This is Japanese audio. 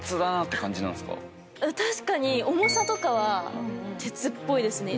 確かに重さとかは鉄っぽいですね。